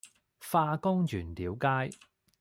化工原料街